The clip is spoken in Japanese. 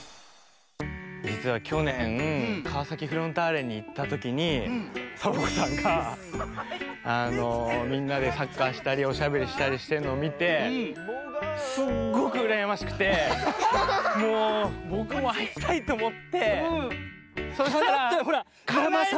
じつはきょねんかわさきフロンターレにいったときにサボ子さんがあのみんなでサッカーしたりおしゃべりしたりしてるのをみてすっごくうらやましくてもうぼくもはいりたいっておもってそしたらかないました！